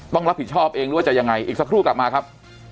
ต้องรับผิดชอบเองหรือว่าจะยังไงอีกสักครู่กลับมาครับ